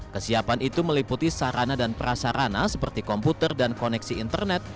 kesiapan itu meliputi sarana dan prasarana seperti komputer dan koneksi internet